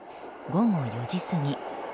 午後４時過ぎ